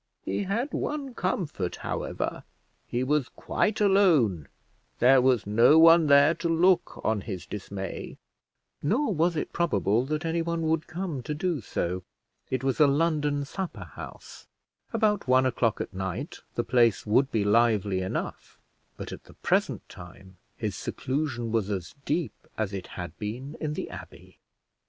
He had one comfort, however: he was quite alone; there was no one there to look on his dismay; nor was it probable that anyone would come to do so. It was a London supper house. About one o'clock at night the place would be lively enough, but at the present time his seclusion was as deep as it had been in the abbey.